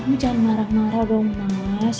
ini jangan marah marah dong mas